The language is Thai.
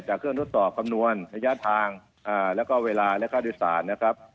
เครื่องทดสอบคำนวณระยะทางแล้วก็เวลาและค่าโดยสารนะครับ